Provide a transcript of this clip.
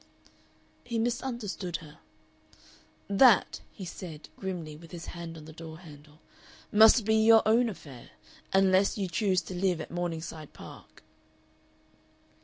He misunderstood her. "That," he said, grimly, with his hand on the door handle, "must be your own affair, unless you choose to live at Morningside Park."